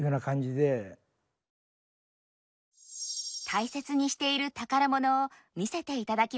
大切にしている宝物を見せていただきました。